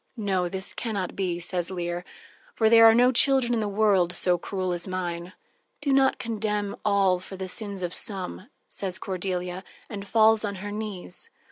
"No, this can not be," says Leir, "for there are no children in the world so cruel as mine." "Do not condemn all for the sins of some," says Cordelia, and falls on her knees.